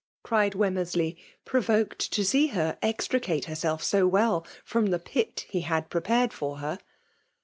*' cried Weramersley, provoked to see her extricate herself so well from the pit he hftd prepared for her.